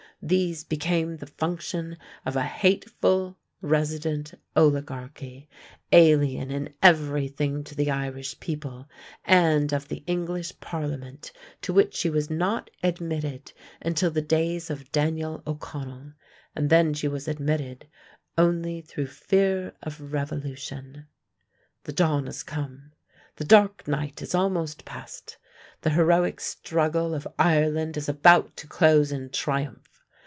These became the function of a hateful resident oligarchy, alien in everything to the Irish people, and of the English parliament, to which she was not admitted until the days of Daniel O'Connell. And then she was admitted only through fear of revolution. The dawn has come. The dark night is almost past; the heroic struggle of Ireland is about to close in triumph.